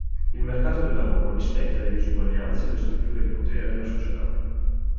Il mercato del lavoro rispecchia le diseguaglianze e le strutture di potere della società.